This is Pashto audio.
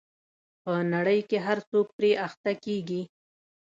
په نړۍ کې هر څوک پرې اخته کېږي.